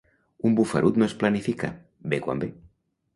Un bufarut no es planifica, ve quan ve.